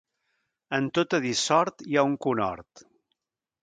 En tota dissort hi ha un conhort.